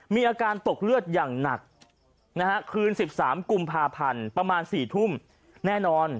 มีอาการตกเลือดอย่างหนักคืน๑๓กุมภาพันธ์ประมาณ๔ทุ่มแน่นอน